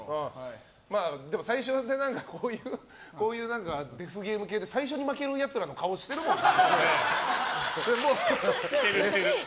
でも最初でこういうデスゲーム系で最初に負けるやつらの顔してるもんな。